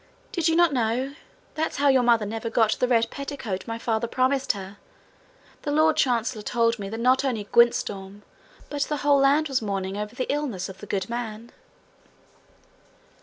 'Did you not know? That's how your mother never got the red petticoat my father promised her. The lord chancellor told me that not only Gwyntystorm but the whole land was mourning over the illness of the good man.'